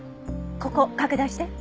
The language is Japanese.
ここ拡大して。